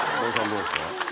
どうですか？